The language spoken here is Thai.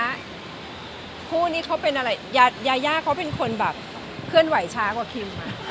คู่นี้เขาเป็นอะไรยาย่าเขาเป็นคนแบบเคลื่อนไหวช้ากว่าคิม